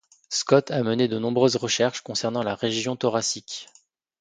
Scott a mené de nombreuses recherches concernant la région thoracique.